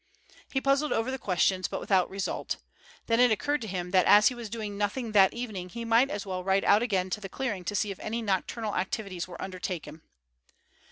He puzzled over the questions but without result. Then it occurred to him that as he was doing nothing that evening he might as well ride out again to the clearing and see if any nocturnal activities were undertaken.